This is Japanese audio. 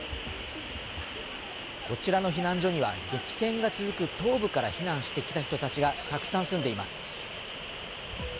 こちらの避難所には激戦が続く東部から避難してきた人たちがたくさん住んでいます。